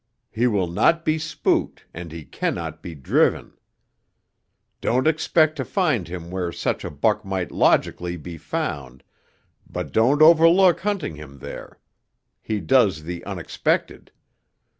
He will not be spooked and he cannot be driven. Don't expect to find him where such a buck might logically be found, but don't overlook hunting him there. He does the unexpected.